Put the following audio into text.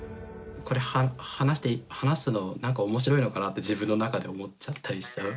これ話すのなんか面白いのかなって自分の中で思っちゃったりしちゃう。